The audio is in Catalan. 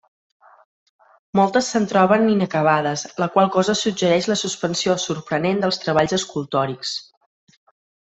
Moltes se'n troben inacabades, la qual cosa suggereix la suspensió sorprenent dels treballs escultòrics.